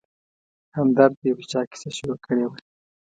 همدرد د یو چا کیسه شروع کړې وه.